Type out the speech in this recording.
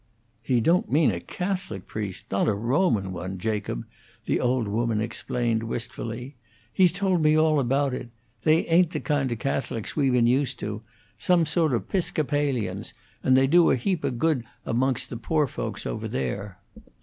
"He don't mean a Catholic priest not a Roman one, Jacob," the old woman explained, wistfully. "He's told me all about it. They ain't the kind o' Catholics we been used to; some sort of 'Piscopalians; and they do a heap o' good amongst the poor folks over there.